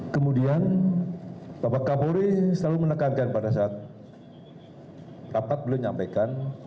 kemudian bapak kapolri selalu menekankan pada saat rapat belum di nyampaikan